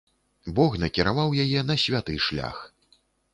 Бог накіраваў яе на святы шлях.